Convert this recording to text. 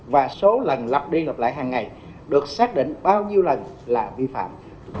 và số lần lập đi lập lại hàng ngày được xác định bao nhiêu lần là vi phạm